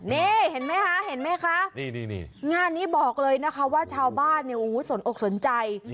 นี่เห็นไหมคะเห็นไหมคะงานนี้บอกเลยนะคะว่าชาวบ้านสนอกสนใจ